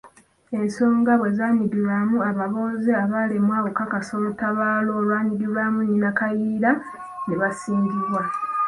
Ensonga bwe zaayingirwamu ababooze baalemwa okukakasa olutabaalo olwanyagirwako nnyina Kayiira, ne basingibwa.